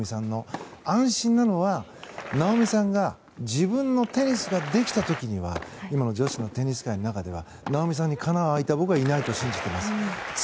安心なのは、なおみさんが自分のテニスができた時には今の女子のテニス界の中ではなおみさんにかなう相手は僕はいないと信じます。